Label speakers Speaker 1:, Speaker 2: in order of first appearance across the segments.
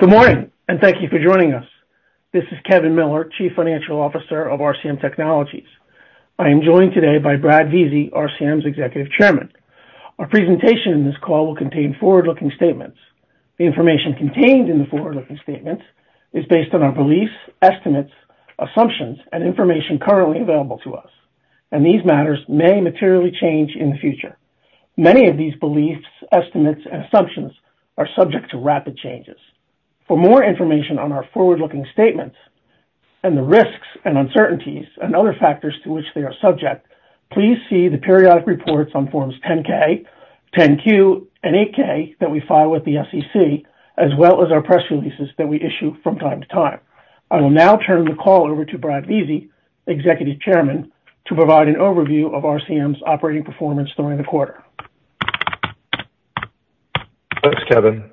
Speaker 1: Good morning, and thank you for joining us. This is Kevin Miller, Chief Financial Officer of RCM Technologies. I am joined today by Bradley Vizi, RCM's Executive Chairman. Our presentation in this call will contain forward-looking statements. The information contained in the forward-looking statements is based on our beliefs, estimates, assumptions, and information currently available to us, and these matters may materially change in the future. Many of these beliefs, estimates, and assumptions are subject to rapid changes. For more information on our forward-looking statements and the risks and uncertainties and other factors to which they are subject, please see the periodic reports on Forms 10-K, 10-Q, and 8-K that we file with the SEC, as well as our press releases that we issue from time to time. I will now turn the call over to Bradley Vizi, Executive Chairman, to provide an overview of RCM's operating performance during the quarter.
Speaker 2: Thanks, Kevin.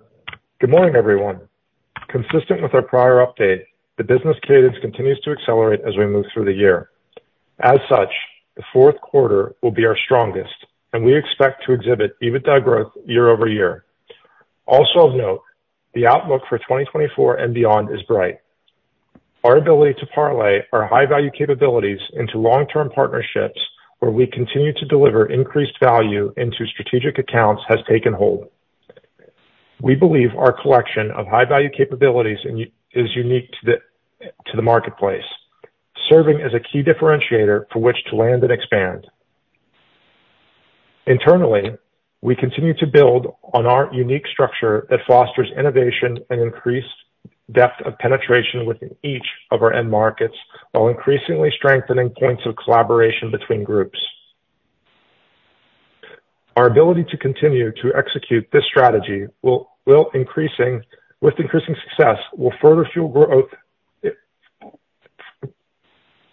Speaker 2: Good morning, everyone. Consistent with our prior update, the business cadence continues to accelerate as we move through the year. As such, the fourth quarter will be our strongest, and we expect to exhibit EBITDA growth year-over-year. Also of note, the outlook for 2024 and beyond is bright. Our ability to parlay our high-value capabilities into long-term partnerships, where we continue to deliver increased value into strategic accounts, has taken hold. We believe our collection of high-value capabilities is unique to the, to the marketplace, serving as a key differentiator for which to land and expand. Internally, we continue to build on our unique structure that fosters innovation and increased depth of penetration within each of our end markets, while increasingly strengthening points of collaboration between groups. Our ability to continue to execute this strategy will, will increasing...With increasing success, will further fuel growth,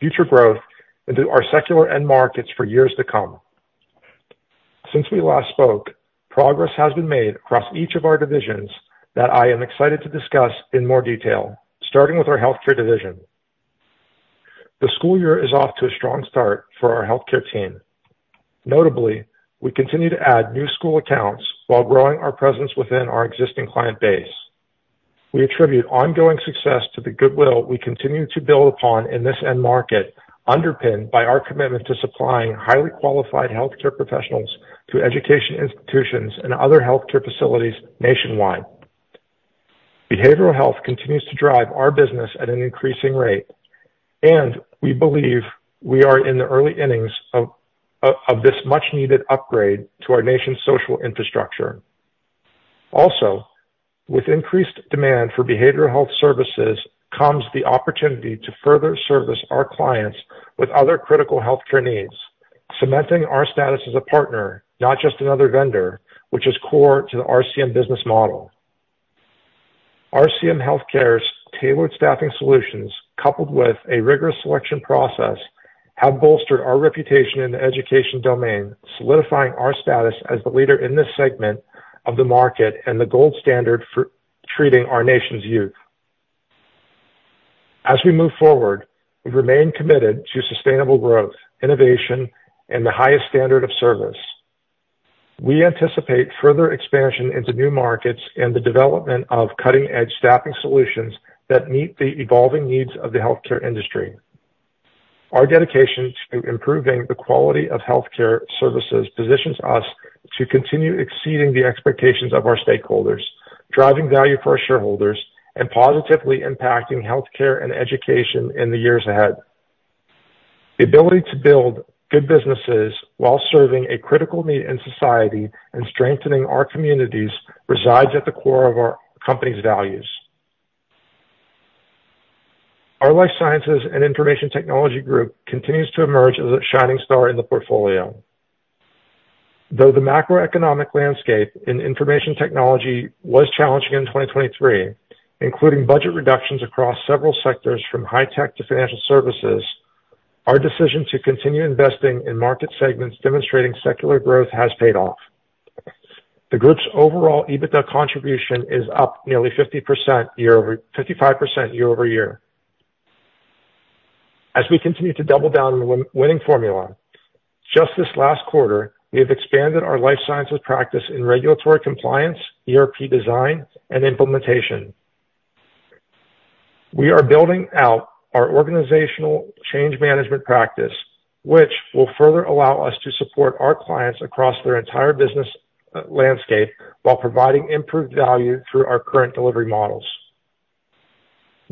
Speaker 2: future growth into our secular end markets for years to come. Since we last spoke, progress has been made across each of our divisions that I am excited to discuss in more detail, starting with our healthcare division. The school year is off to a strong start for our healthcare team. Notably, we continue to add new school accounts while growing our presence within our existing client base. We attribute ongoing success to the goodwill we continue to build upon in this end market, underpinned by our commitment to supplying highly qualified healthcare professionals to education institutions and other healthcare facilities nationwide. Behavioral health continues to drive our business at an increasing rate, and we believe we are in the early innings of this much-needed upgrade to our nation's social infrastructure. Also, with increased demand for behavioral health services comes the opportunity to further service our clients with other critical healthcare needs, cementing our status as a partner, not just another vendor, which is core to the RCM business model. RCM Healthcare's tailored staffing solutions, coupled with a rigorous selection process, have bolstered our reputation in the education domain, solidifying our status as the leader in this segment of the market and the gold standard for treating our nation's youth. As we move forward, we remain committed to sustainable growth, innovation, and the highest standard of service. We anticipate further expansion into new markets and the development of cutting-edge staffing solutions that meet the evolving needs of the healthcare industry. Our dedication to improving the quality of healthcare services positions us to continue exceeding the expectations of our stakeholders, driving value for our shareholders, and positively impacting healthcare and education in the years ahead. The ability to build good businesses while serving a critical need in society and strengthening our communities resides at the core of our company's values. Our Life Sciences and Information Technology group continues to emerge as a shining star in the portfolio. Though the macroeconomic landscape in information technology was challenging in 2023, including budget reductions across several sectors, from high tech to financial services, our decision to continue investing in market segments demonstrating secular growth has paid off. The group's overall EBITDA contribution is up nearly 55% year-over-year. As we continue to double down on the winning formula, just this last quarter, we have expanded our Life Sciences practice in regulatory compliance, ERP design, and implementation. We are building out our organizational change management practice, which will further allow us to support our clients across their entire business landscape, while providing improved value through our current delivery models.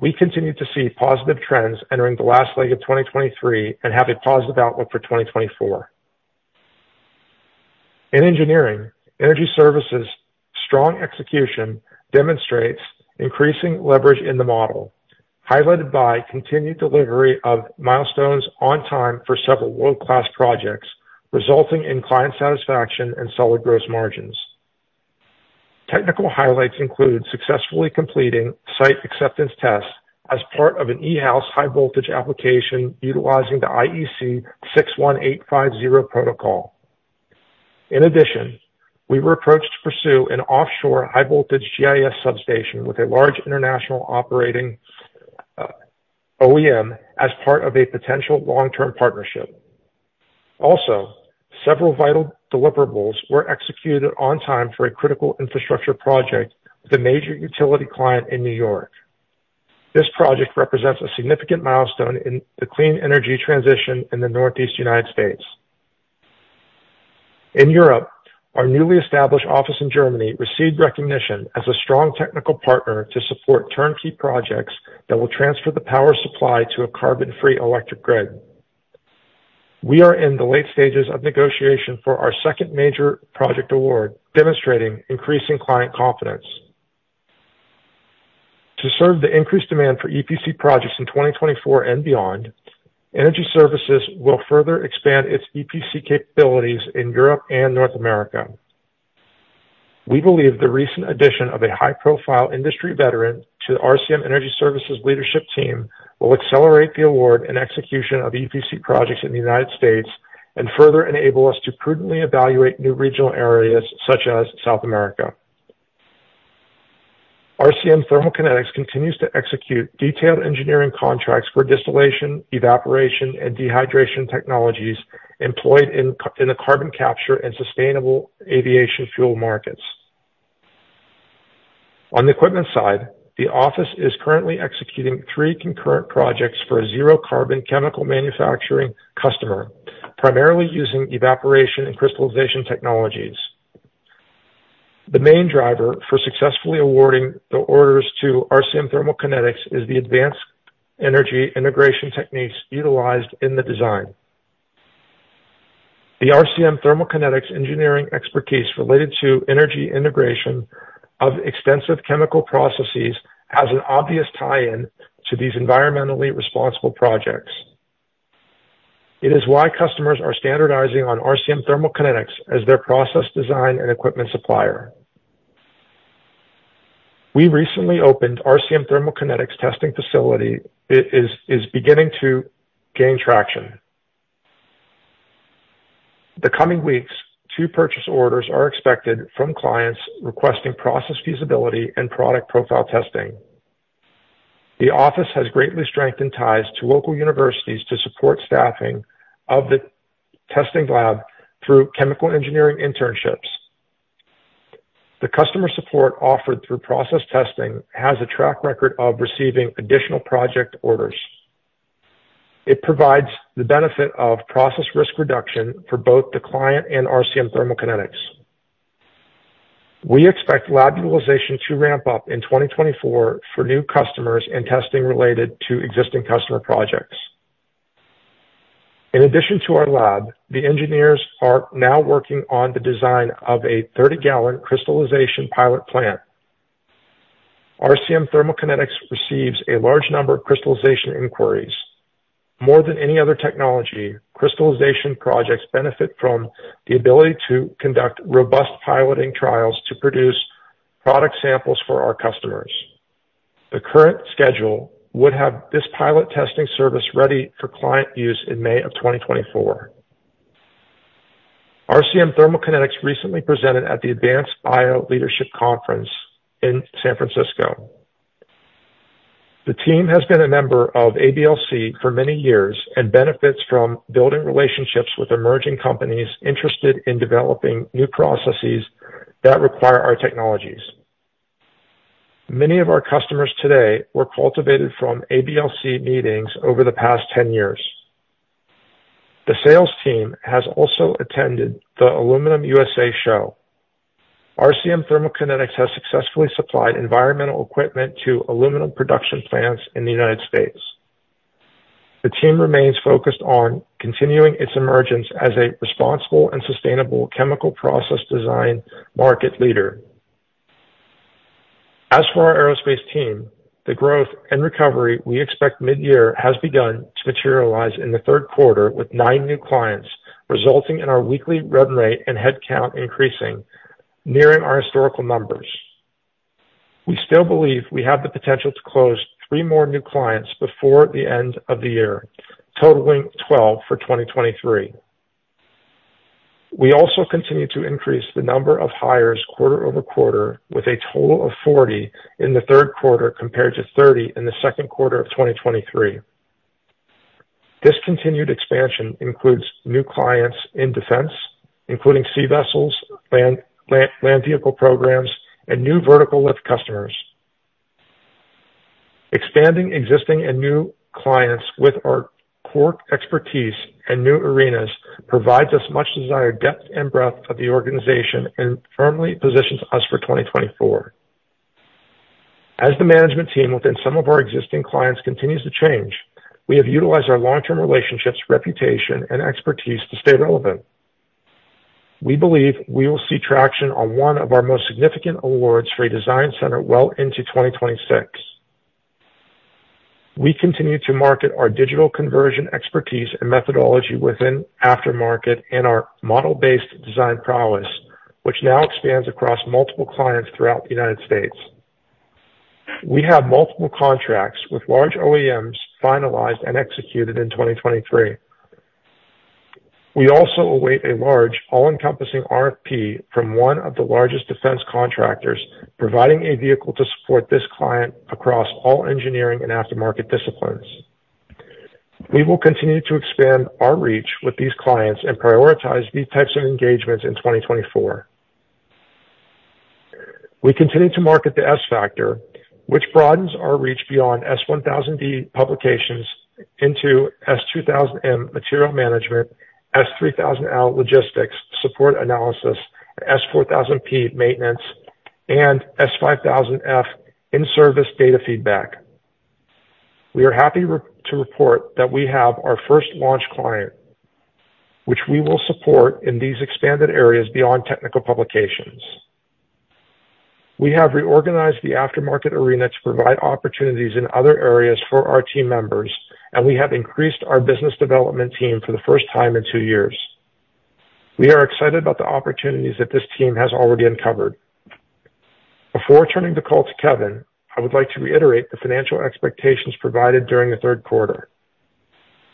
Speaker 2: We continue to see positive trends entering the last leg of 2023 and have a positive outlook for 2024. In Engineering, Energy Services' strong execution demonstrates increasing leverage in the model, highlighted by continued delivery of milestones on time for several world-class projects, resulting in client satisfaction and solid gross margins. Technical highlights include successfully completing Site Acceptance Tests as part of an E-House high-voltage application utilizing the IEC 61850 protocol. In addition, we were approached to pursue an offshore high-voltage GIS substation with a large international operating OEM as part of a potential long-term partnership. Also, several vital deliverables were executed on time for a critical infrastructure project with a major utility client in New York. This project represents a significant milestone in the clean energy transition in the Northeast United States. In Europe, our newly established office in Germany received recognition as a strong technical partner to support turnkey projects that will transfer the power supply to a carbon-free electric grid. We are in the late stages of negotiation for our second major project award, demonstrating increasing client confidence. To serve the increased demand for EPC projects in 2024 and beyond, energy services will further expand its EPC capabilities in Europe and North America. We believe the recent addition of a high-profile industry veteran to the RCM Energy Services leadership team will accelerate the award and execution of EPC projects in the United States and further enable us to prudently evaluate new regional areas such as South America. RCM Thermal Kinetics continues to execute detailed engineering contracts for distillation, evaporation, and dehydration technologies employed in the carbon capture and sustainable aviation fuel markets. On the equipment side, the office is currently executing three concurrent projects for a zero-carbon chemical manufacturing customer, primarily using evaporation and crystallization technologies. The main driver for successfully awarding the orders to RCM Thermal Kinetics is the advanced energy integration techniques utilized in the design. The RCM Thermal Kinetics engineering expertise related to energy integration of extensive chemical processes has an obvious tie-in to these environmentally responsible projects. It is why customers are standardizing on RCM Thermal Kinetics as their process design and equipment supplier. We recently opened RCM Thermal Kinetics testing facility. It is beginning to gain traction. In the coming weeks, two purchase orders are expected from clients requesting process feasibility and product profile testing. The office has greatly strengthened ties to local universities to support staffing of the testing lab through chemical engineering internships. The customer support offered through process testing has a track record of receiving additional project orders. It provides the benefit of process risk reduction for both the client and RCM Thermal Kinetics. We expect lab utilization to ramp up in 2024 for new customers and testing related to existing customer projects. In addition to our lab, the engineers are now working on the design of a 30-gallon crystallization pilot plant. RCM Thermal Kinetics receives a large number of crystallization inquiries. More than any other technology, crystallization projects benefit from the ability to conduct robust piloting trials to produce product samples for our customers. The current schedule would have this pilot testing service ready for client use in May 2024. RCM Thermal Kinetics recently presented at the Advanced Bioeconomy Leadership Conference in San Francisco. The team has been a member of ABLC for many years and benefits from building relationships with emerging companies interested in developing new processes that require our technologies. Many of our customers today were cultivated from ABLC meetings over the past 10 years. The sales team has also attended the Aluminum USA Show. RCM Thermal Kinetics has successfully supplied environmental equipment to aluminum production plants in the United States. The team remains focused on continuing its emergence as a responsible and sustainable chemical process design market leader. As for our aerospace team, the growth and recovery we expect mid-year has begun to materialize in the third quarter, with nine new clients, resulting in our weekly rev rate and headcount increasing, nearing our historical numbers. We still believe we have the potential to close three more new clients before the end of the year, totaling 12 for 2023. We also continue to increase the number of hires quarter-over-quarter, with a total of 40 in the third quarter, compared to 30 in the second quarter of 2023. This continued expansion includes new clients in defense, including sea vessels, land vehicle programs, and new vertical lift customers. Expanding existing and new clients with our core expertise and new arenas provides us much-desired depth and breadth of the organization and firmly positions us for 2024. As the management team within some of our existing clients continues to change, we have utilized our long-term relationships, reputation, and expertise to stay relevant. We believe we will see traction on one of our most significant awards for a design center well into 2026. We continue to market our digital conversion expertise and methodology within aftermarket and our model-based design prowess, which now expands across multiple clients throughout the United States. We have multiple contracts with large OEMs finalized and executed in 2023. We also await a large, all-encompassing RFP from one of the largest defense contractors, providing a vehicle to support this client across all engineering and aftermarket disciplines. We will continue to expand our reach with these clients and prioritize these types of engagements in 2024. We continue to market the S-Factor, which broadens our reach beyond S1000D publications into S2000M material management, S3000L logistics support analysis, S4000P maintenance, and S5000F in-service data feedback. We are happy to report that we have our first launch client, which we will support in these expanded areas beyond technical publications. We have reorganized the aftermarket arena to provide opportunities in other areas for our team members, and we have increased our business development team for the first time in two years. We are excited about the opportunities that this team has already uncovered. Before turning the call to Kevin, I would like to reiterate the financial expectations provided during the third quarter.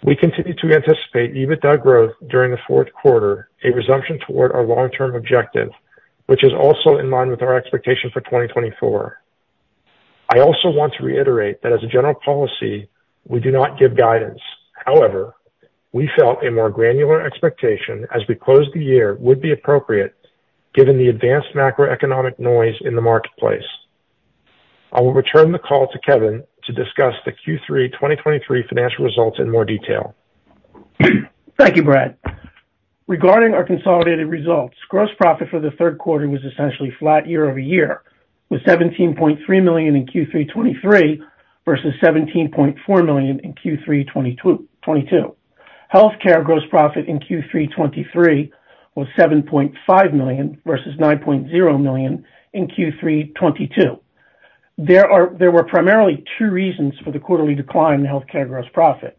Speaker 2: We continue to anticipate EBITDA growth during the fourth quarter, a resumption toward our long-term objective, which is also in line with our expectation for 2024. I also want to reiterate that as a general policy, we do not give guidance. However, we felt a more granular expectation as we close the year would be appropriate, given the advanced macroeconomic noise in the marketplace. I will return the call to Kevin to discuss the Q3 2023 financial results in more detail.
Speaker 1: Thank you, Brad. Regarding our consolidated results, gross profit for the third quarter was essentially flat year-over-year, with $17.3 million in Q3 2023 versus $17.4 million in Q3 2022, twenty-two. Healthcare gross profit in Q3 2023 was $7.5 million versus $9.0 million in Q3 2022. There were primarily two reasons for the quarterly decline in healthcare gross profit.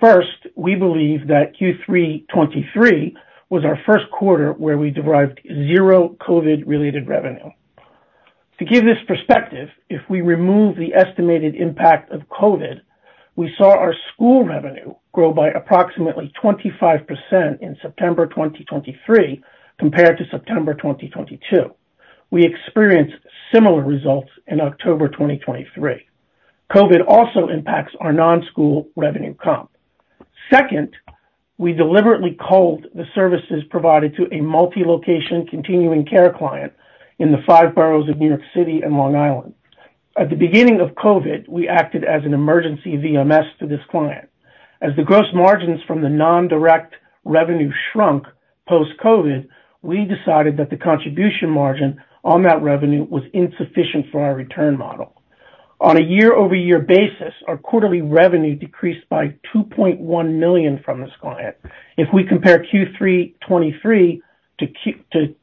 Speaker 1: First, we believe that Q3 2023 was our first quarter where we derived zero COVID-related revenue. To give this perspective, if we remove the estimated impact of COVID, we saw our school revenue grow by approximately 25% in September 2023 compared to September 2022. We experienced similar results in October 2023. COVID also impacts our non-school revenue comp. Second, we deliberately culled the services provided to a multi-location continuing care client in the five boroughs of New York City and Long Island. At the beginning of COVID, we acted as an emergency VMS to this client. As the gross margins from the non-direct revenue shrunk post-COVID, we decided that the contribution margin on that revenue was insufficient for our return model. On a year-over-year basis, our quarterly revenue decreased by $2.1 million from this client. If we compare Q3 2023 to Q2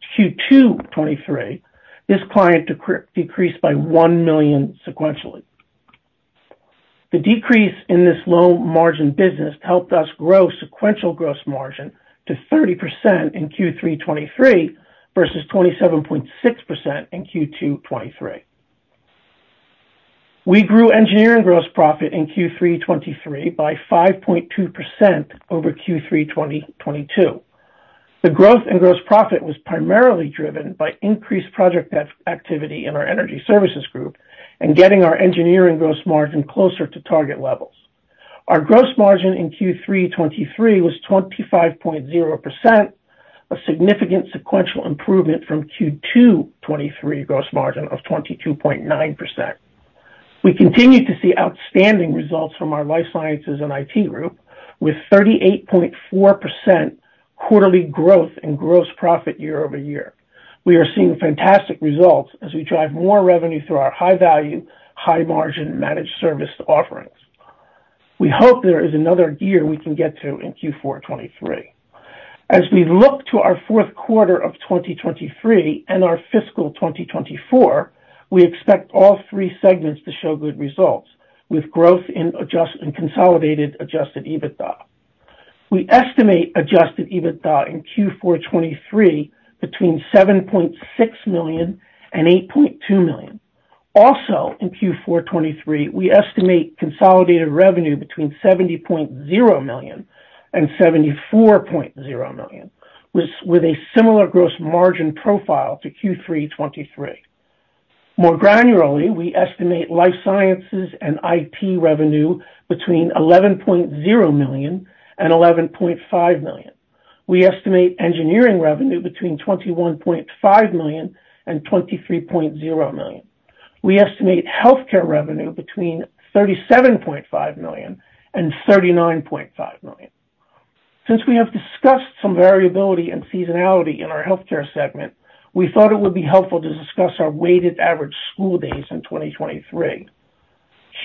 Speaker 1: 2023, this client decreased by $1 million sequentially. The decrease in this low-margin business helped us grow sequential gross margin to 30% in Q3 2023 versus 27.6% in Q2 2023. We grew engineering gross profit in Q3 2023 by 5.2% over Q3 2022. The growth in gross profit was primarily driven by increased project activity in our energy services group and getting our engineering gross margin closer to target levels. Our gross margin in Q3 2023 was 25.0%, a significant sequential improvement from Q2 2023 gross margin of 22.9%. We continue to see outstanding results from our Life Sciences and IT group, with 38.4% quarterly growth in gross profit year over year. We are seeing fantastic results as we drive more revenue through our high-value, high-margin managed service offerings. We hope there is another gear we can get to in Q4 2023. As we look to our fourth quarter of 2023 and our fiscal 2024, we expect all three segments to show good results, with growth in Consolidated Adjusted EBITDA. We estimate Adjusted EBITDA in Q4 2023 between $7.6 million and $8.2 million. Also, in Q4 2023, we estimate consolidated revenue between $70.0 million and $74.0 million, with a similar gross margin profile to Q3 2023. More granularly, we estimate Life Sciences and IT revenue between $11.0 million and $11.5 million. We estimate Engineering revenue between $21.5 million and $23.0 million. We estimate Healthcare revenue between $37.5 million and $39.5 million. Since we have discussed some variability and seasonality in our healthcare segment, we thought it would be helpful to discuss our weighted average school days in 2023.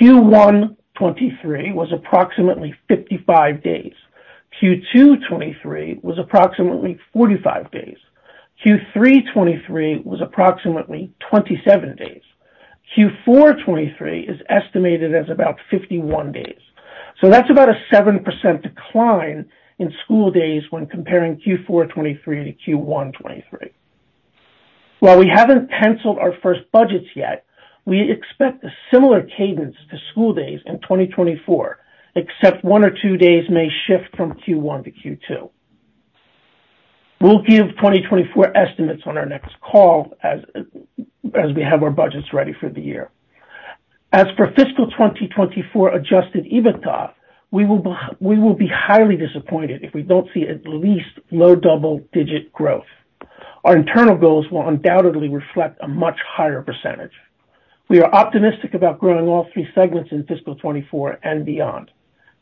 Speaker 1: Q1 2023 was approximately 55 days. Q2 2023 was approximately 45 days. Q3 2023 was approximately 27 days. Q4 2023 is estimated as about 51 days. So that's about a 7% decline in school days when comparing Q4 2023 to Q1 2023. While we haven't penciled our first budgets yet, we expect a similar cadence to school days in 2024, except one or two days may shift from Q1 to Q2. We'll give 2024 estimates on our next call as, as we have our budgets ready for the year. As for fiscal 2024 Adjusted EBITDA, we will be, we will be highly disappointed if we don't see at least low double-digit growth. Our internal goals will undoubtedly reflect a much higher percentage. We are optimistic about growing all three segments in fiscal 2024 and beyond.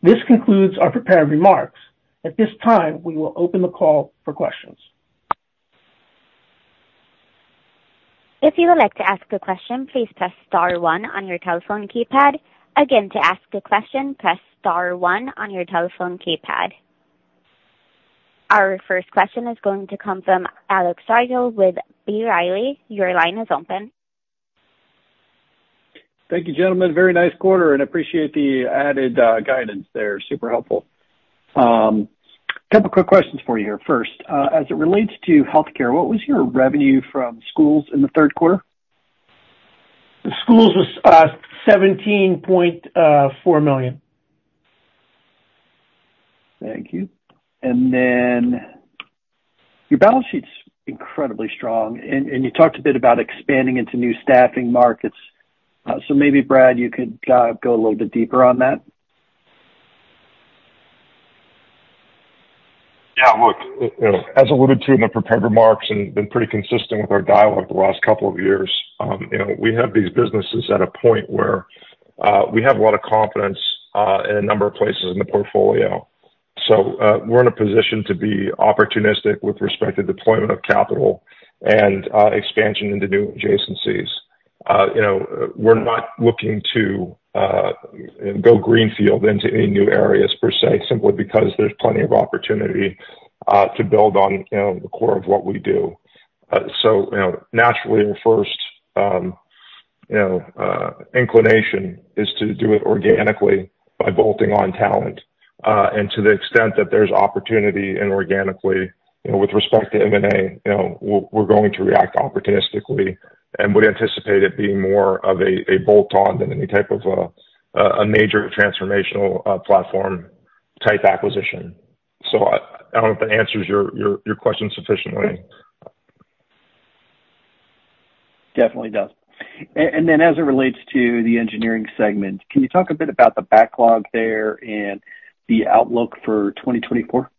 Speaker 1: This concludes our prepared remarks. At this time, we will open the call for questions.
Speaker 3: If you would like to ask a question, please press star one on your telephone keypad. Again, to ask a question, press star one on your telephone keypad. Our first question is going to come from Alex Rygiel with B. Riley. Your line is open.
Speaker 4: Thank you, gentlemen. Very nice quarter, and appreciate the added, guidance there. Super helpful. Couple quick questions for you here. First, as it relates to Healthcare, what was your revenue from schools in the third quarter?
Speaker 1: The schools was $17.4 million.
Speaker 4: Thank you. And then your balance sheet's incredibly strong, and you talked a bit about expanding into new staffing markets. So maybe Brad, you could go a little bit deeper on that?
Speaker 2: Yeah, look, you know, as alluded to in the prepared remarks and been pretty consistent with our dialogue the last couple of years, you know, we have these businesses at a point where we have a lot of confidence in a number of places in the portfolio. So, we're in a position to be opportunistic with respect to deployment of capital and expansion into new adjacencies. You know, we're not looking to go greenfield into any new areas per se, simply because there's plenty of opportunity to build on, you know, the core of what we do. So, you know, naturally, our first, you know, inclination is to do it organically by bolting on talent. And to the extent that there's opportunity inorganically, you know, with respect to M&A, you know, we're going to react opportunistically, and would anticipate it being more of a bolt on than any type of a major transformational platform type acquisition. So I don't know if that answers your question sufficiently.
Speaker 4: Definitely does. And then as it relates to the engineering segment, can you talk a bit about the backlog there and the outlook for 2024?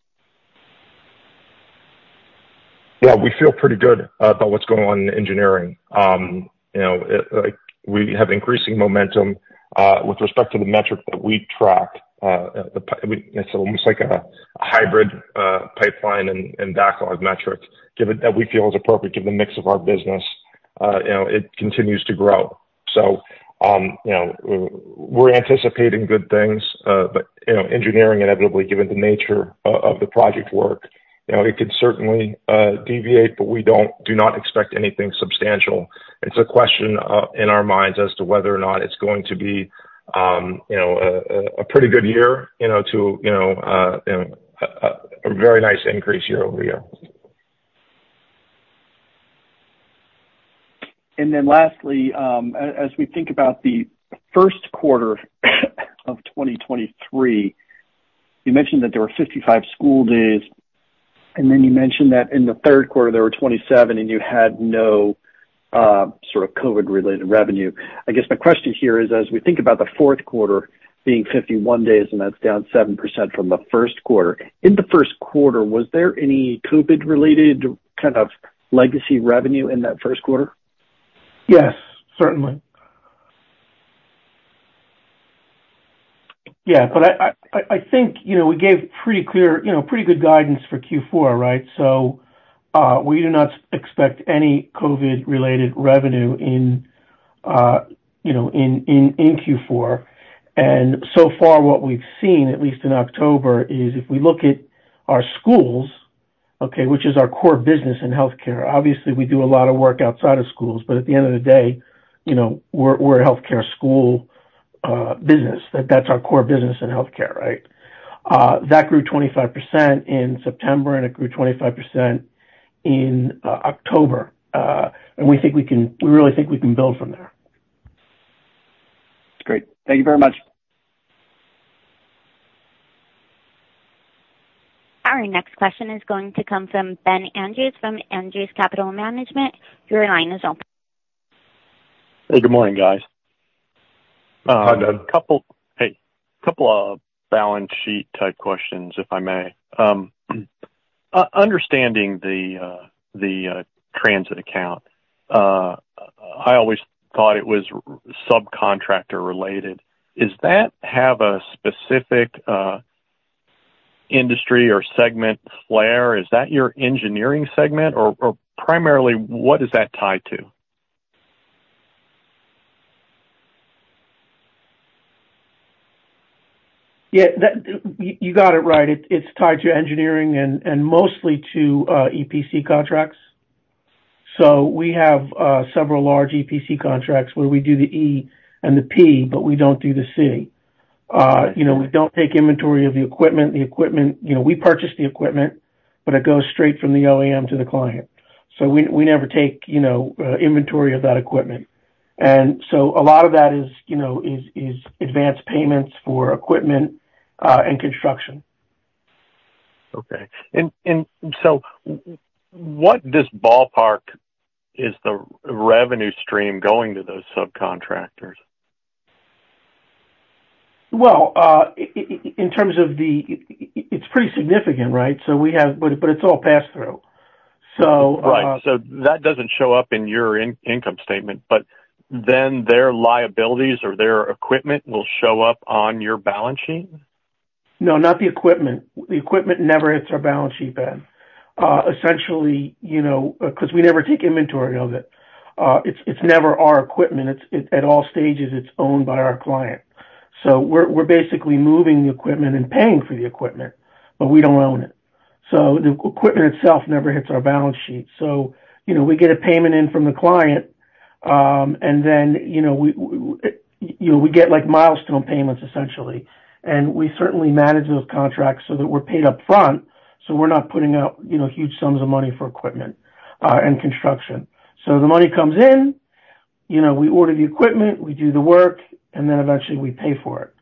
Speaker 2: Yeah, we feel pretty good about what's going on in Engineering. You know, like we have increasing momentum with respect to the metrics that we track. It's almost like a hybrid pipeline and backlog metrics, given that we feel is appropriate, given the mix of our business. You know, it continues to grow. So, you know, we're anticipating good things, but you know, engineering inevitably, given the nature of the project work, you know, it could certainly deviate, but we do not expect anything substantial. It's a question in our minds as to whether or not it's going to be, you know, a pretty good year, you know, to a very nice increase year-over-year.
Speaker 4: And then lastly, as we think about the first quarter of 2023, you mentioned that there were 55 school days, and then you mentioned that in the third quarter there were 27, and you had no sort of COVID-related revenue. I guess my question here is, as we think about the fourth quarter being 51 days, and that's down 7% from the first quarter, in the first quarter, was there any COVID-related kind of legacy revenue in that first quarter?
Speaker 1: Yes, certainly. Yeah, but I think, you know, we gave pretty clear, you know, pretty good guidance for Q4, right? So, we do not expect any COVID-related revenue in, you know, in Q4. And so far, what we've seen, at least in October, is if we look at our schools, okay, which is our core business in Healthcare, obviously we do a lot of work outside of schools, but at the end of the day, you know, we're a Healthcare school business. That's our core business in Healthcare, right? That grew 25% in September, and it grew 25% in October, and we really think we can build from there.
Speaker 4: Great. Thank you very much.
Speaker 3: Our next question is going to come from Ben Andrews from Andrews Capital Management. Your line is open.
Speaker 5: Hey, good morning, guys.
Speaker 2: Hi, Ben.
Speaker 5: Couple of balance sheet type questions, if I may. Understanding the transit account, I always thought it was subcontractor related. Is that have a specific industry or segment flare? Is that your Engineering segment or primarily, what is that tied to?
Speaker 1: Yeah, you got it right. It's tied to Engineering and mostly to EPC contracts. So we have several large EPC contracts where we do the E and the P, but we don't do the C. You know, we don't take inventory of the equipment. The equipment, you know, we purchase the equipment, but it goes straight from the OEM to the client. So we never take, you know, inventory of that equipment. And so a lot of that is, you know, advanced payments for equipment and construction.
Speaker 5: Okay. And, so, what, ballpark, is the revenue stream going to those subcontractors?
Speaker 1: Well, in terms of the, it's pretty significant, right? So we have. But, it's all pass through. So,
Speaker 5: Right. So that doesn't show up in your income statement, but then their liabilities or their equipment will show up on your balance sheet?
Speaker 1: No, not the equipment. The equipment never hits our balance sheet, Ben. Essentially, you know, because we never take inventory of it, it's never our equipment. It's at all stages owned by our client. So we're basically moving the equipment and paying for the equipment, but we don't own it. So the equipment itself never hits our balance sheet. So, you know, we get a payment in from the client, and then, you know, we get like milestone payments, essentially. And we certainly manage those contracts so that we're paid up front, so we're not putting out, you know, huge sums of money for equipment and construction. So the money comes in, you know, we order the equipment, we do the work, and then eventually we pay for it.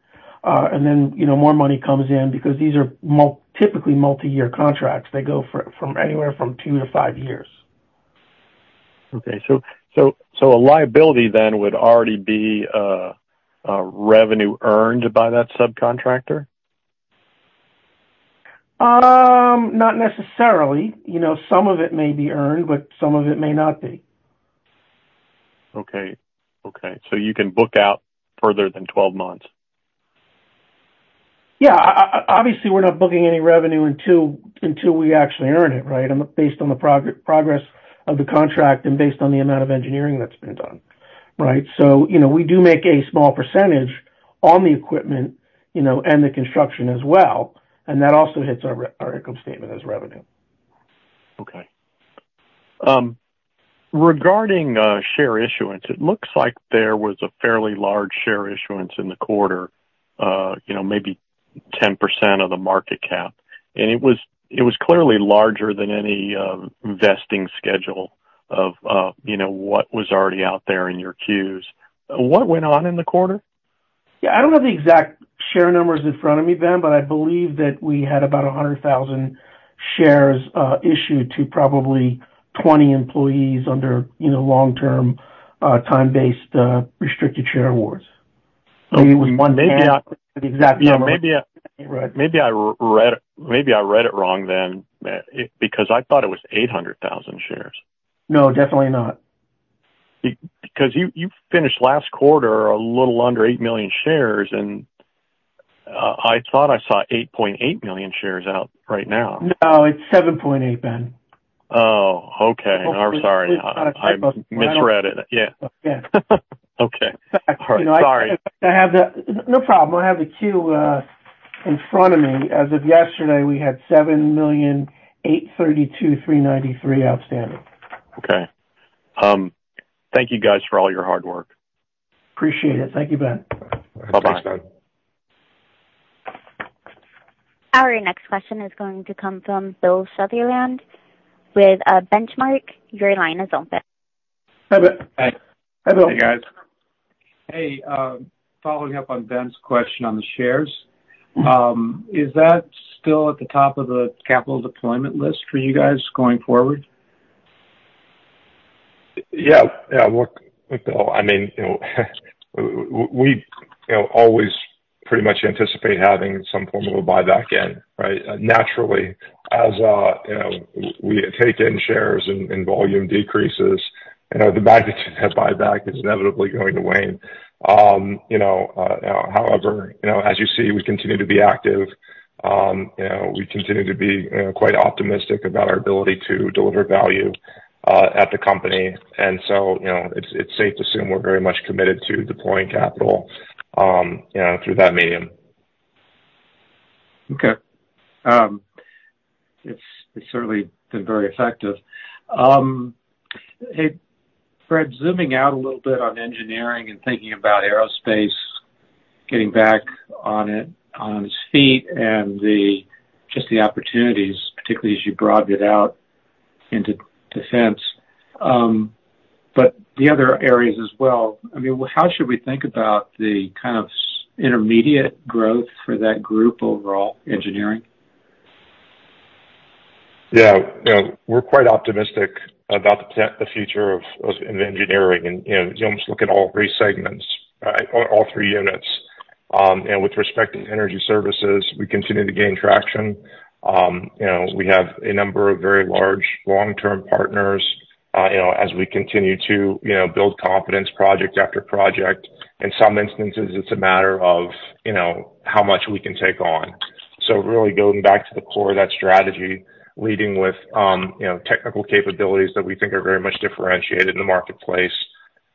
Speaker 1: And then, you know, more money comes in because these are typically multi-year contracts. They go for, from anywhere from two to five years.
Speaker 5: Okay. So, a liability then would already be revenue earned by that subcontractor?
Speaker 1: Not necessarily. You know, some of it may be earned, but some of it may not be.
Speaker 5: Okay. Okay, so you can book out further than 12 months?
Speaker 1: Yeah. Obviously, we're not booking any revenue until we actually earn it, right? Based on the progress of the contract and based on the amount of engineering that's been done, right? So, you know, we do make a small percentage on the equipment, you know, and the construction as well, and that also hits our income statement as revenue.
Speaker 5: Okay. Regarding share issuance, it looks like there was a fairly large share issuance in the quarter, you know, maybe 10% of the market cap. And it was clearly larger than any vesting schedule of, you know, what was already out there in your queues. What went on in the quarter?
Speaker 1: Yeah, I don't have the exact share numbers in front of me, Ben, but I believe that we had about 100,000 shares issued to probably 20 employees under, you know, long-term time-based restricted share awards.
Speaker 5: Maybe I-
Speaker 1: The exact number.
Speaker 5: Yeah, maybe I-
Speaker 1: Right.
Speaker 5: Maybe I read it wrong then, because I thought it was 800,000 shares.
Speaker 1: No, definitely not.
Speaker 5: Because you finished last quarter a little under 8 million shares, and I thought I saw 8.8 million shares outstanding right now.
Speaker 1: No, it's 7.8, Ben.
Speaker 5: Oh, okay. I'm sorry.
Speaker 1: It's not a type of-
Speaker 5: I misread it. Yeah.
Speaker 1: Yeah.
Speaker 5: Okay. All right. Sorry.
Speaker 1: I have the... No problem. I have the queue in front of me. As of yesterday, we had $7,832,393 outstanding.
Speaker 5: Okay. Thank you, guys, for all your hard work.
Speaker 1: Appreciate it. Thank you, Ben.
Speaker 5: Bye-bye.
Speaker 1: Thanks, Ben.
Speaker 3: Our next question is going to come from Bill Sutherland with Benchmark. Your line is open.
Speaker 1: Hi, Bill.
Speaker 6: Hi.
Speaker 1: Hi, Bill.
Speaker 6: Hey, guys. Hey, following up on Ben's question on the shares, is that still at the top of the capital deployment list for you guys going forward? Yeah. Yeah, look, Bill, I mean, you know, we, you know, always pretty much anticipate having some form of a buyback in, right? Naturally, as, you know, we take in shares and, and volume decreases, you know, the magnitude of buyback is inevitably going to wane. You know, however, you know, as you see, we continue to be active. You know, we continue to be, you know, quite optimistic about our ability to deliver value at the company. And so, you know, it's, it's safe to assume we're very much committed to deploying capital, you know, through that medium. Okay. It's, it's certainly been very effective. Hey, Brad, zooming out a little bit on Engineering and thinking about Aerospace, getting back on it, on its feet and just the opportunities, particularly as you broaden it out into Defense, but the other areas as well, I mean, how should we think about the kind of intermediate growth for that group overall, Engineering?
Speaker 2: Yeah. You know, we're quite optimistic about the future of Engineering. You know, you almost look at all three segments, all three units. With respect to energy services, we continue to gain traction. You know, we have a number of very large long-term partners, as we continue to build confidence, project after project. In some instances, it's a matter of how much we can take on. So really going back to the core of that strategy, leading with, you know, technical capabilities that we think are very much differentiated in the marketplace,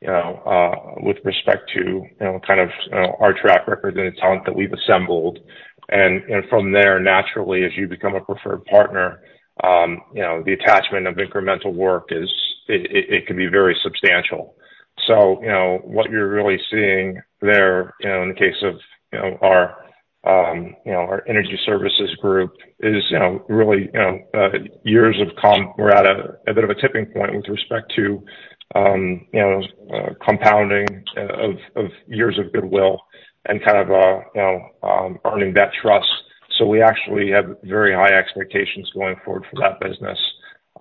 Speaker 2: you know, with respect to, you know, kind of, you know, our track record and the talent that we've assembled. And from there, naturally, as you become a preferred partner, you know, the attachment of incremental work is. It can be very substantial. So, you know, what you're really seeing there, you know, in the case of, you know, our, you know, our energy services group is, you know, really, you know, years have come. We're at a bit of a tipping point with respect to... compounding of years of goodwill and kind of, you know, earning that trust. So we actually have very high expectations going forward for that business.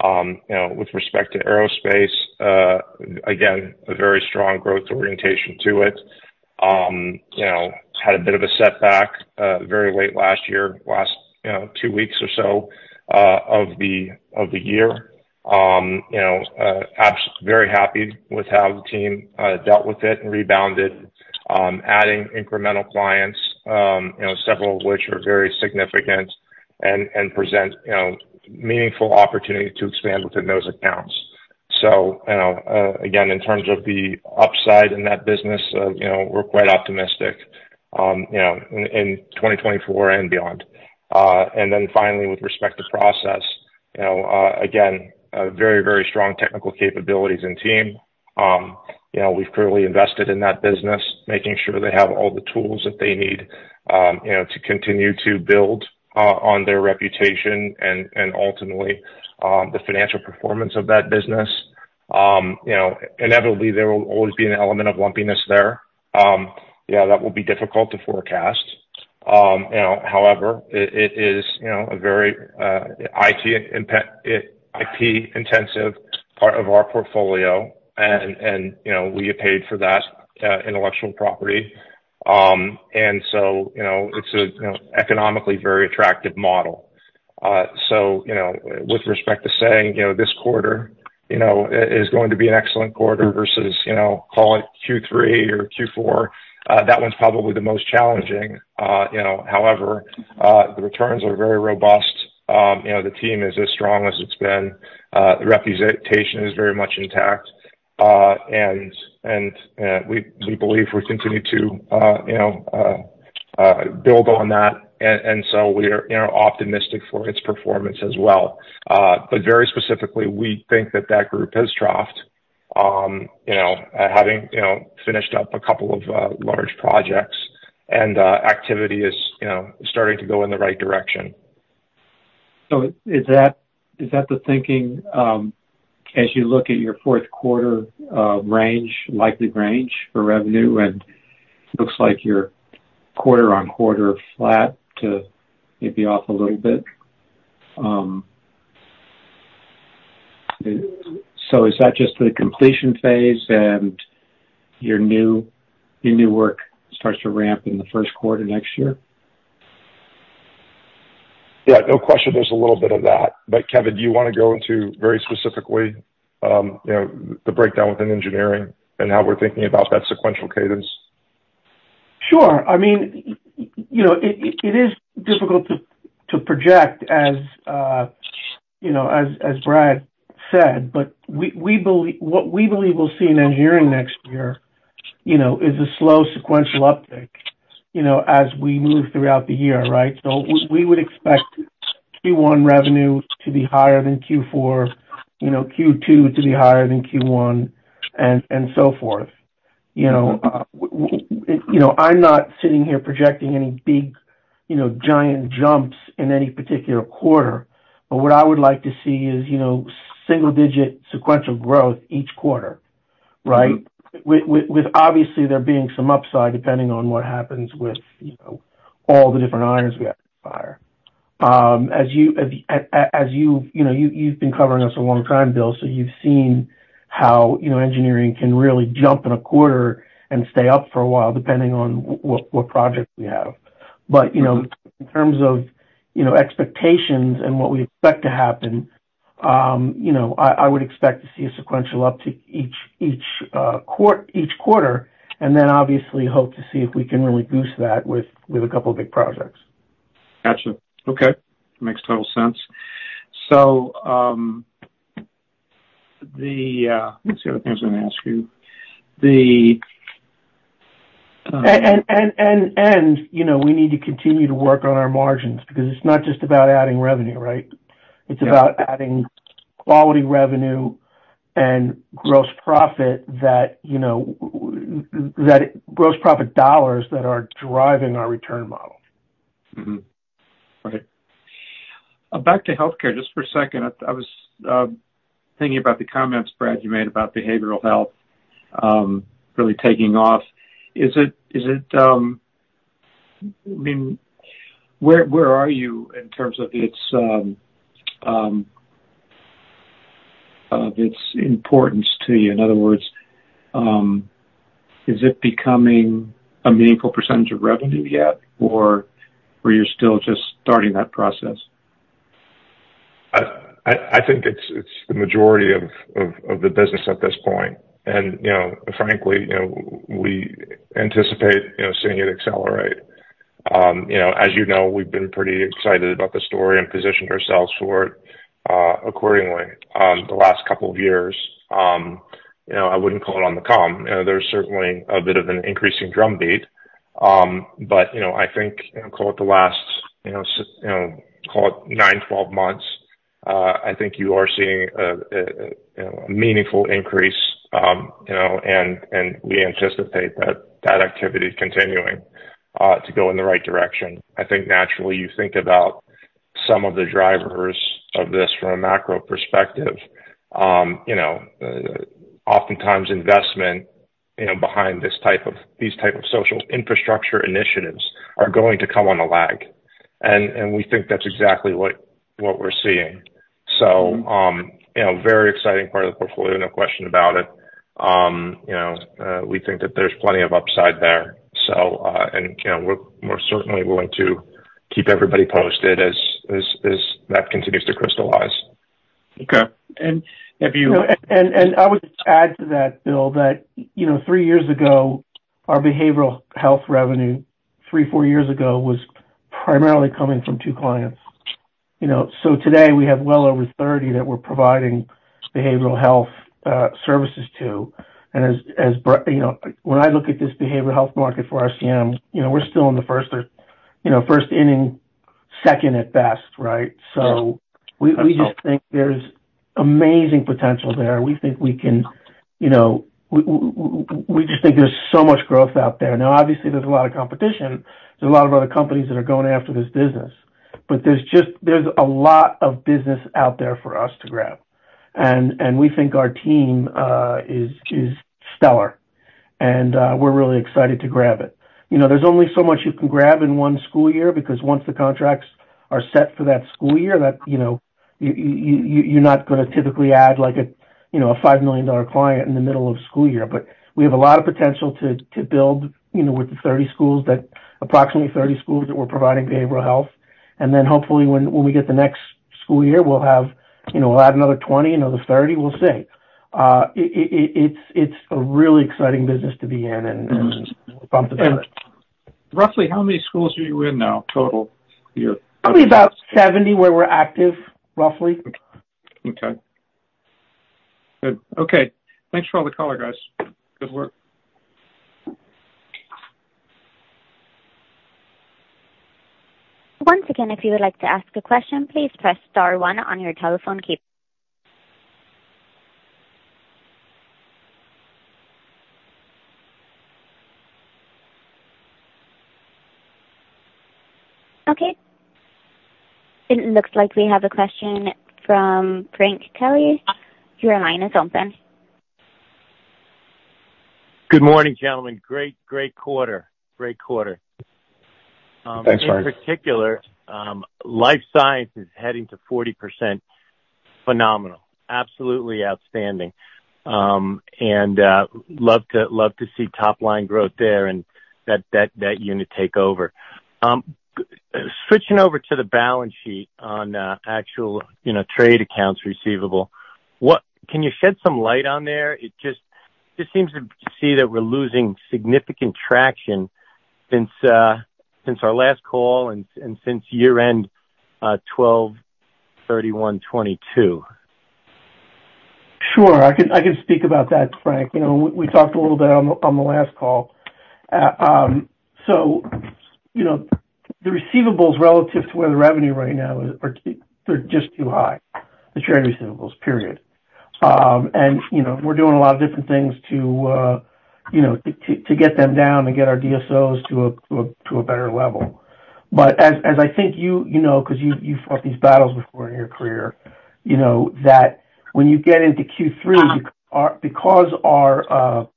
Speaker 2: You know, with respect to Aerospace, again, a very strong growth orientation to it. You know, had a bit of a setback very late last year, last two weeks or so of the year. You know, very happy with how the team dealt with it and rebounded, adding incremental clients, you know, several of which are very significant and present meaningful opportunity to expand within those accounts. So, you know, again, in terms of the upside in that business, you know, we're quite optimistic, you know, in 2024 and beyond. And then finally, with respect to process, you know, again, a very, very strong technical capabilities and team. You know, we've clearly invested in that business, making sure they have all the tools that they need, you know, to continue to build on their reputation and ultimately the financial performance of that business. You know, inevitably there will always be an element of lumpiness there. Yeah, that will be difficult to forecast. You know, however, it is a very IT intensive part of our portfolio and, you know, we get paid for that intellectual property. And so, you know, it's a, you know, economically very attractive model. So, you know, with respect to saying, you know, this quarter, you know, is going to be an excellent quarter versus, you know, call it Q3 or Q4, that one's probably the most challenging. You know, however, the returns are very robust. You know, the team is as strong as it's been. The reputation is very much intact, and we believe we continue to you know build on that, and so we are you know optimistic for its performance as well. But very specifically, we think that group has troughed, you know, having you know finished up a couple of large projects and activity is you know starting to go in the right direction.
Speaker 6: So is that, is that the thinking, as you look at your fourth quarter range, likely range for revenue, and looks like you're quarter-on-quarter flat to maybe off a little bit? So is that just the completion phase and your new, your new work starts to ramp in the first quarter next year?
Speaker 2: Yeah, no question, there's a little bit of that. But Kevin, do you want to go into very specifically, you know, the breakdown within engineering and how we're thinking about that sequential cadence?
Speaker 1: Sure. I mean, you know, it is difficult to project as, you know, as Brad said, but we believe what we believe we'll see in Engineering next year, you know, is a slow sequential uptick, you know, as we move throughout the year, right? So we would expect Q1 revenue to be higher than Q4, you know, Q2 to be higher than Q1, and so forth. You know, you know, I'm not sitting here projecting any big, you know, giant jumps in any particular quarter, but what I would like to see is, you know, single digit sequential growth each quarter, right?
Speaker 6: Mm-hmm.
Speaker 1: With obviously there being some upside, depending on what happens with, you know, all the different irons we have in the fire. As you've, you know, you've been covering us a long time, Bill, so you've seen how, you know, engineering can really jump in a quarter and stay up for a while, depending on what projects we have. But, you know, in terms of, you know, expectations and what we expect to happen, you know, I would expect to see a sequential uptick each quarter, and then obviously hope to see if we can really boost that with a couple of big projects.
Speaker 6: Gotcha. Okay. Makes total sense. So, what's the other thing I was gonna ask you?
Speaker 1: You know, we need to continue to work on our margins because it's not just about adding revenue, right?
Speaker 6: Yeah.
Speaker 1: It's about adding quality revenue and gross profit that, you know, that gross profit dollars that are driving our return model.
Speaker 6: Mm-hmm. Okay. Back to Healthcare just for a second. I was thinking about the comments, Brad, you made about behavioral health really taking off. Is it, I mean, where are you in terms of its importance to you? In other words, is it becoming a meaningful percentage of revenue yet, or you're still just starting that process?
Speaker 2: I think it's the majority of the business at this point. And, you know, frankly, you know, we anticipate, you know, seeing it accelerate. You know, as you know, we've been pretty excited about the story and positioned ourselves for it, accordingly, the last couple of years. You know, I wouldn't call it on the comm. You know, there's certainly a bit of an increasing drumbeat, but, you know, I think, you know, call it the last, you know, call it nine, 12 months. I think you are seeing a meaningful increase, you know, and we anticipate that that activity is continuing to go in the right direction. I think naturally you think about... Some of the drivers of this from a macro perspective, you know, oftentimes investment, you know, behind this type of—these type of social infrastructure initiatives are going to come on a lag. And we think that's exactly what we're seeing. So, you know, very exciting part of the portfolio, no question about it. You know, we think that there's plenty of upside there. So, and, you know, we're certainly willing to keep everybody posted as that continues to crystallize.
Speaker 6: Okay. And have you-
Speaker 1: I would just add to that, Bill, that you know, three years ago, our behavioral health revenue, three, four years ago, was primarily coming from 2 clients, you know. So today we have well over 30 that we're providing behavioral health services to. And as you know, when I look at this behavioral health market for RCM, you know, we're still in the first or, you know, first inning, second at best, right?
Speaker 6: Yeah.
Speaker 1: So we just think there's amazing potential there. We think we can, you know, we just think there's so much growth out there. Now, obviously, there's a lot of competition. There's a lot of other companies that are going after this business, but there's just, there's a lot of business out there for us to grab. And we think our team is stellar, and we're really excited to grab it. You know, there's only so much you can grab in one school year, because once the contracts are set for that school year, you know, you, you're not gonna typically add, like, you know, a $5 million client in the middle of the school year. But we have a lot of potential to build, you know, with the 30 schools that—approximately 30 schools that we're providing behavioral health. And then hopefully when we get the next school year, we'll have, you know, we'll add another 20, another 30, we'll see. It's a really exciting business to be in and-
Speaker 6: Mm-hmm.
Speaker 1: We're pumped about it.
Speaker 6: Roughly how many schools are you in now, total, year?
Speaker 1: Probably about 70, where we're active, roughly.
Speaker 6: Okay. Good. Okay, thanks for all the color, guys. Good work.
Speaker 3: Once again, if you would like to ask a question, please press star one on your telephone key. Okay, it looks like we have a question from Frank Kelly. Your line is open.
Speaker 7: Good morning, gentlemen. Great, great quarter. Great quarter.
Speaker 2: Thanks, Frank.
Speaker 7: In particular, life science is heading to 40%. Phenomenal. Absolutely outstanding. And, love to, love to see top line growth there, and that, that, that unit take over. Switching over to the balance sheet on actual, you know, trade accounts receivable, what... Can you shed some light on there? It just, just seems to see that we're losing significant traction since since our last call and, and since year end, 12/31/2022.
Speaker 1: Sure. I can, I can speak about that, Frank. You know, we, we talked a little bit on the, on the last call. So, you know, the receivables relative to where the revenue right now is, are, they're just too high, the trade receivables, period. And, you know, we're doing a lot of different things to, you know, to, to, to get them down and get our DSOs to a, to a, to a better level. But as, as I think you, you know, because you, you've fought these battles before in your career, you know that when you get into Q3, because our, because our,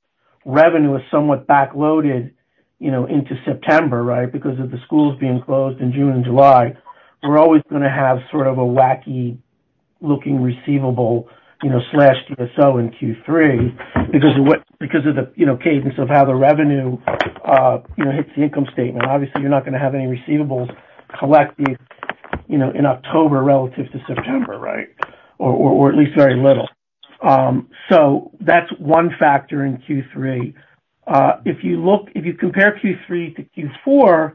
Speaker 1: revenue is somewhat backloaded, you know, into September, right? Because of the schools being closed in June and July, we're always gonna have sort of a wacky looking receivable, you know, slash DSO in Q3, because of the, you know, cadence of how the revenue you know hits the income statement. Obviously, you're not gonna have any receivables collecting, you know, in October relative to September, right? Or at least very little. So that's one factor in Q3. If you compare Q3 to Q4,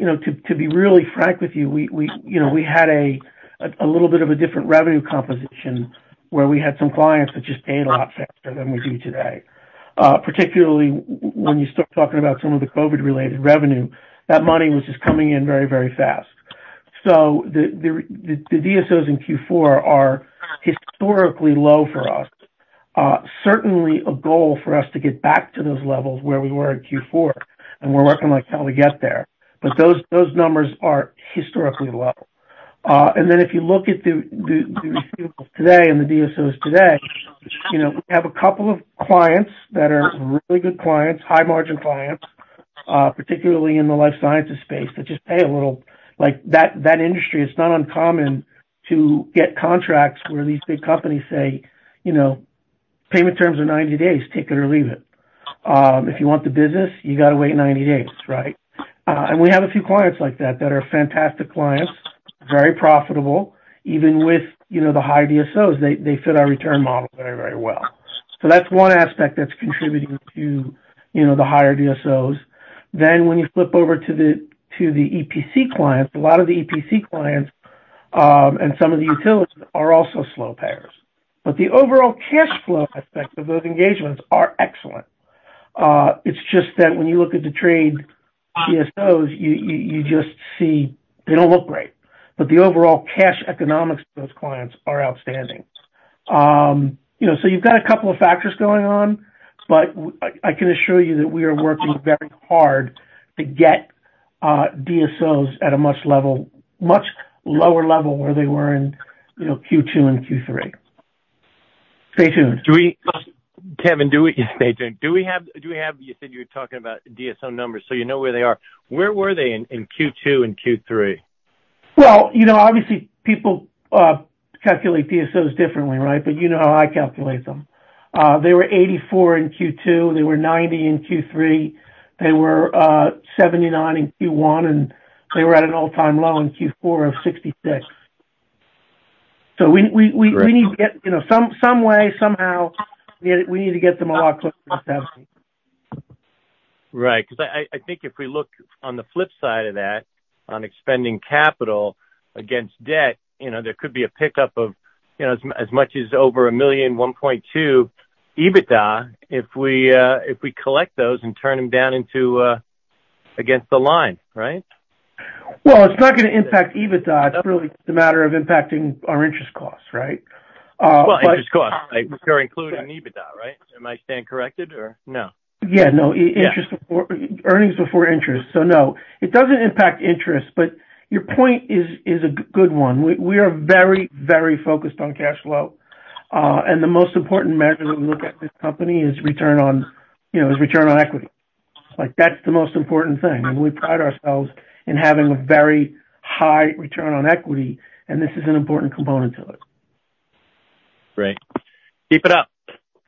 Speaker 1: you know, to be really frank with you, we you know we had a little bit of a different revenue composition, where we had some clients that just paid a lot faster than we do today. Particularly when you start talking about some of the COVID-related revenue, that money was just coming in very, very fast. So the DSOs in Q4 are historically low for us. Certainly a goal for us to get back to those levels where we were in Q4, and we're working like hell to get there. But those numbers are historically low. And then if you look at the receivables today and the DSOs today, you know, we have a couple of clients that are really good clients, high margin clients, particularly in the Life Sciences space, that just pay a little. Like that industry, it's not uncommon to get contracts where these big companies say, "You know, payment terms are 90 days, take it or leave it. If you want the business, you gotta wait 90 days," right? We have a few clients like that, that are fantastic clients, very profitable, even with, you know, the high DSOs, they, they fit our return model very, very well. So that's one aspect that's contributing to, you know, the higher DSOs. When you flip over to the EPC clients, a lot of the EPC clients, and some of the utilities are also slow payers, but the overall cash flow aspect of those engagements are excellent. It's just that when you look at the trade DSOs, you, you, you just see they don't look great, but the overall cash economics of those clients are outstanding. You know, so you've got a couple of factors going on, but I can assure you that we are working very hard to get DSOs at a much lower level where they were in, you know, Q2 and Q3. Stay tuned.
Speaker 7: Do we, Kevin, stay tuned? Do we have? You said you were talking about DSO numbers, so you know where they are. Where were they in Q2 and Q3?
Speaker 1: Well, you know, obviously, people calculate DSOs differently, right? But you know how I calculate them. They were 84 in Q2, they were 90 in Q3, they were 79 in Q1, and they were at an all-time low in Q4 of 66. So we...
Speaker 7: Right.
Speaker 1: We need to get, you know, some way, somehow, we need to get them a lot closer to 70.
Speaker 7: Right. 'Cause I think if we look on the flip side of that, on expending capital against debt, you know, there could be a pickup of, you know, as much as over $1 million, $1.2 million EBITDA, if we collect those and turn them down into against the line, right?
Speaker 1: Well, it's not gonna impact EBITDA.
Speaker 7: Okay.
Speaker 1: It's really the matter of impacting our interest costs, right? But-
Speaker 7: Well, interest costs, like, they're included in EBITDA, right? Am I standing corrected or no?
Speaker 1: Yeah, no.
Speaker 7: Yeah.
Speaker 1: Interest before earnings before interest, so no. It doesn't impact interest, but your point is a good one. We are very, very focused on cash flow, and the most important measure that we look at this company is return on, you know, is return on equity. Like, that's the most important thing, and we pride ourselves in having a very high return on equity, and this is an important component to it.
Speaker 7: Great. Keep it up.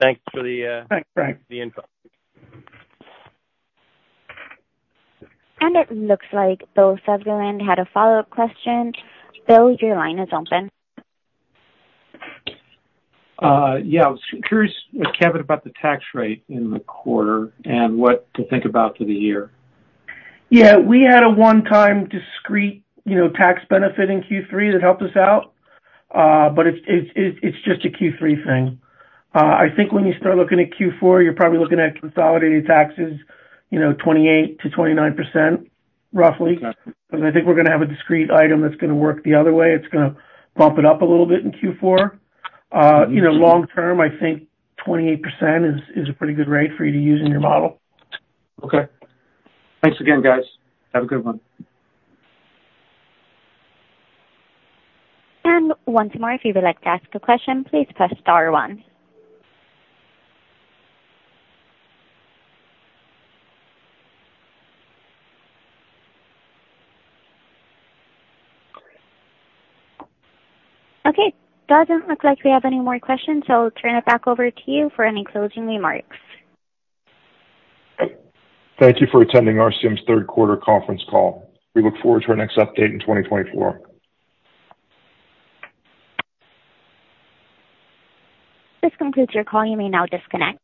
Speaker 7: Thanks for the,
Speaker 1: Thanks, Frank.
Speaker 7: The info.
Speaker 3: It looks like Bill Sutherland had a follow-up question. Bill, your line is open.
Speaker 6: Yeah. I was curious, Kevin, about the tax rate in the quarter and what to think about for the year.
Speaker 1: Yeah, we had a one-time discrete, you know, tax benefit in Q3 that helped us out, but it's just a Q3 thing. I think when you start looking at Q4, you're probably looking at consolidated taxes, you know, 28%-29%, roughly.
Speaker 6: Okay.
Speaker 1: But I think we're gonna have a discrete item that's gonna work the other way. It's gonna bump it up a little bit in Q4. You know, long term, I think 28% is a pretty good rate for you to use in your model.
Speaker 6: Okay. Thanks again, guys. Have a good one.
Speaker 3: And once more, if you would like to ask a question, please press star one. Okay, doesn't look like we have any more questions, so I'll turn it back over to you for any closing remarks.
Speaker 2: Thank you for attending RCM's third quarter conference call. We look forward to our next update in 2024.
Speaker 3: This concludes your call. You may now disconnect.